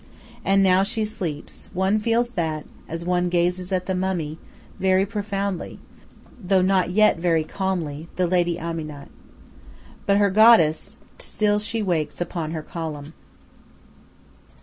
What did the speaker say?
And now she sleeps one feels that, as one gazes at the mummy very profoundly, though not yet very calmly, the lady Amanit. But her goddess still she wakes upon her column.